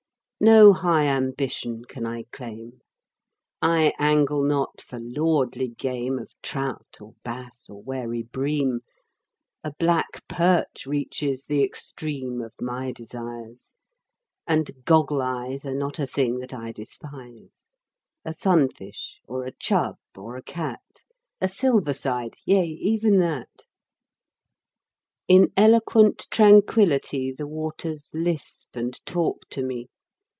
No high ambition can I claim I angle not for lordly game Of trout, or bass, or wary bream A black perch reaches the extreme Of my desires; and "goggle eyes" Are not a thing that I despise; A sunfish, or a "chub," or a "cat" A "silver side" yea, even that! In eloquent tranquility The waters lisp and talk to me.